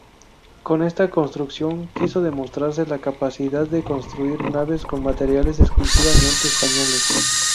Con esta construcción, quiso demostrarse la capacidad de construir naves con materiales exclusivamente españoles.